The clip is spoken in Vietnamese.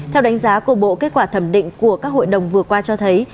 theo đánh giá của bộ kết quả thẩm định của các hội đồng vừa qua cho thấy